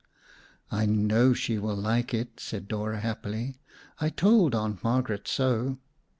"I know she will like it," said Dora happily. "I told Aunt Margaret so.